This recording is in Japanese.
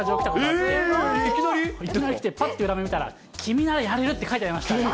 いきなり来て、ぱっと裏面見たら、君ならやれるって書いてありました。